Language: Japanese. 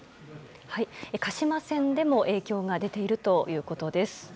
鹿島線でも影響が出ているということです。